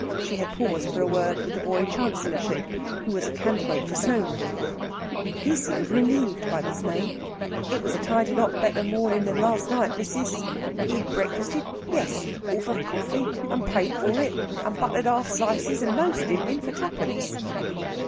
She had paused for a word with the boy Chancellorship, who was a candidate for snow removal. He seemed relieved by the snow. It was a tidy lot better morning than last night, missis. He had breakfasted yes off of corfy, and paid for it, and buttered 'arf slices and no stintin', for twopence.